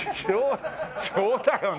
そうだよね！